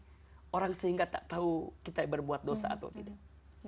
tapi orang sehingga tak tahu kita berbuat dosa atau tidak